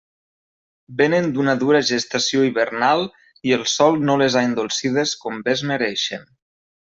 Vénen d'una dura gestació hivernal i el sol no les ha endolcides com bé es mereixen.